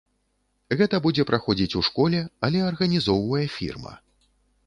Гэта будзе праходзіць у школе, але арганізоўвае фірма.